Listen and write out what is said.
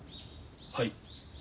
はい。